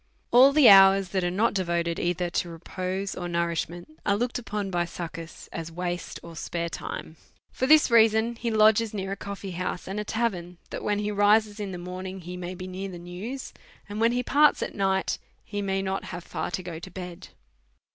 All the hours that are not devoted either to repose or nourishment are looked upon by Succus as waste or spare time ; for tiiis reason he lodges near a coffee house Pud a tavern, that when he rises in the morning he may hear the news, and when he parts at night he may not have far to bed.